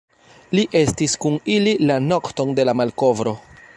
Li estis kun ili la nokton de la malkovro.